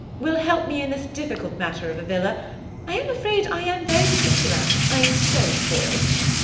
–will help me in this difficult matter of a villa. I am afraid I am very particular, I am so spoiled.